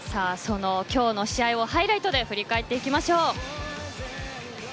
今日の試合をハイライトで振り返っていきましょう。